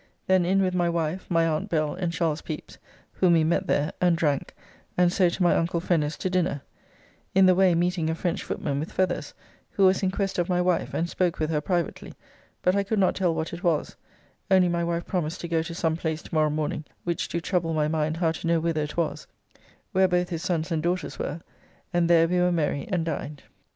Then in with my wife, my aunt Bell and Charles Pepys, whom we met there, and drank, and so to my uncle Fenner's to dinner (in the way meeting a French footman with feathers, who was in quest of my wife, and spoke with her privately, but I could not tell what it was, only my wife promised to go to some place to morrow morning, which do trouble my mind how to know whither it was), where both his sons and daughters were, and there we were merry and dined.